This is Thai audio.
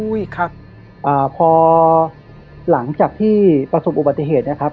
ครับพอหลังจากที่ประสบอุบัติเหตุนะครับ